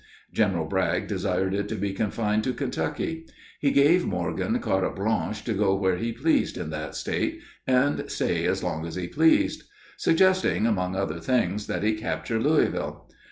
General Bragg desired it to be confined to Kentucky. He gave Morgan carte blanche to go where he pleased in that State and stay as long as he pleased; suggesting, among other things, that he capture Louisville.